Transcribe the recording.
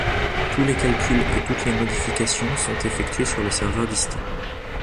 Tous les calculs et toutes les modifications sont effectués sur le serveur distant.